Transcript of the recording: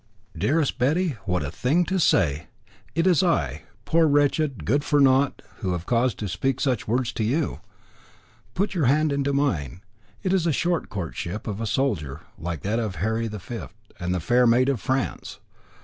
"Dearest Betty, what a thing to say! It is I poor, wretched, good for naught who have cause to speak such words to you. Put your hand into mine; it is a short courtship of a soldier, like that of Harry V. and the fair Maid of France.